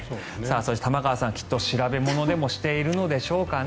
そして玉川さんきっと調べ物でもしているのでしょうかね。